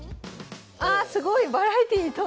あすごい！